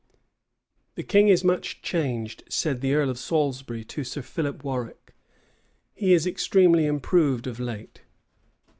"The king is much changed," said the earl of Salisbury to Sir Philip Warwick: "he is extremely improved of late."